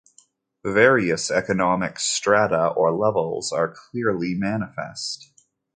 Various economic strata or levels are clearly manifest.